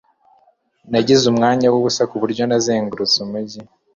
nagize umwanya w'ubusa, ku buryo nazengurutse umujyi